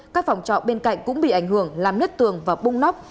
các phòng trọ bên cạnh cũng bị ảnh hưởng làm nứt tường và bung nóc